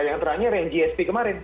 yang terakhir yang gsp kemarin